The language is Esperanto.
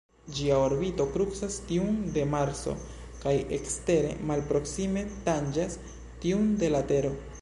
Ĝia orbito krucas tiun de Marso kaj ekstere malproksime tanĝas tiun de la Tero.